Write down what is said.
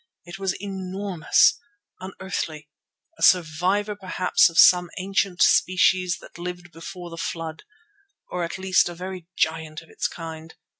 It was enormous, unearthly; a survivor perhaps of some ancient species that lived before the Flood, or at least a very giant of its kind.